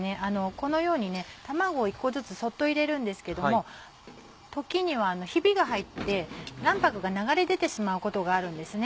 このように卵を１個ずつそっと入れるんですけども時にはヒビが入って卵白が流れ出てしまうことがあるんですね。